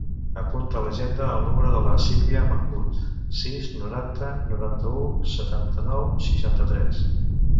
Apunta a l'agenda el número de la Sílvia Mahmood: sis, noranta, noranta-u, setanta-nou, seixanta-tres.